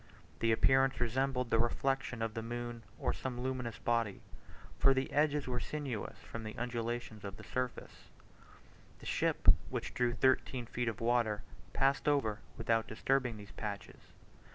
The appearance resembled the reflection of the moon, or some luminous body; for the edges were sinuous from the undulations of the surface. The ship, which drew thirteen feet of water, passed over, without disturbing these patches.